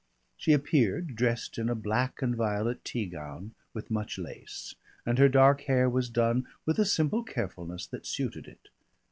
She appeared dressed in a black and violet tea gown with much lace, and her dark hair was done with a simple carefulness that suited it.